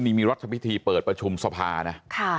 นี่มีรัชพิธีเปิดประชุมสภานะ